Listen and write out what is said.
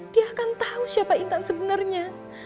dia akan tau siapa intan sebenernya